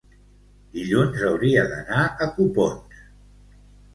dilluns hauria d'anar a Copons.